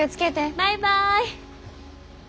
バイバイ。